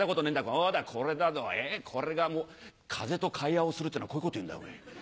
どうだこれだぞこれが風と会話をするってのはこういうこと言うんだおめぇ」。